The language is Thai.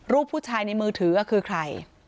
ผู้ชายในมือถือคือใคร